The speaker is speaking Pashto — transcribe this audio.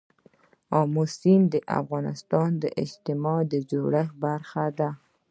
آمو سیند د افغانستان د اجتماعي جوړښت برخه ده.